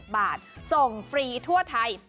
บาทส่งฟรีทั่วไทย